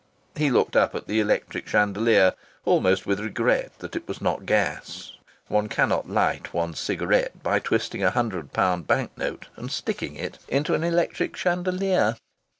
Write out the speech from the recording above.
He looked up at the electric chandelier, almost with regret that it was not gas. One cannot light one's cigarette by twisting a hundred pound bank note and sticking it into an electric chandelier.